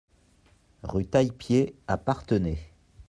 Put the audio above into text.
Rue Taillepied à Parthenay